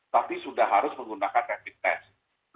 tapi sudah harus menggunakan rapid test